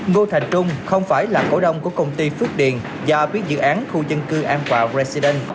ngô thành trung không phải là cổ đông của công ty phước điền và biết dự án khu dân cư an quả residence